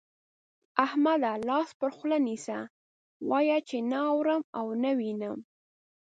احمده! لاس پر خوله نيسه، وايه چې نه اورم او نه وينم.